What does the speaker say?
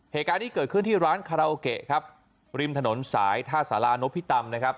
เหตุการณ์นี้เกิดขึ้นที่ร้านคาราโอเกะครับริมถนนสายท่าสารานพิตำนะครับ